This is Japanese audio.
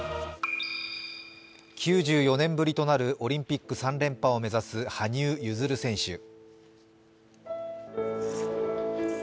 ９４年ぶりとなるオリンピック３連覇を目指す羽生結弦選手。